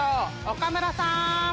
岡村さん。